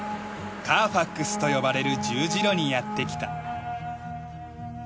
カーファックスと呼ばれる十字路にやって来た。